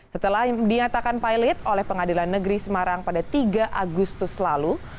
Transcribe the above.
setelah dinyatakan pilot oleh pengadilan negeri semarang pada tiga agustus lalu